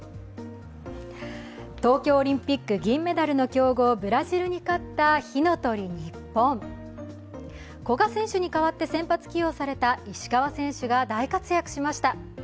東京オリンピック銀メダルの強豪、ブラジルに勝った火の鳥ＮＩＰＰＯＮ、古賀選手に代わって、先発起用された石川選手が大活躍しました。